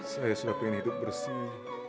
saya sudah ingin hidup bersih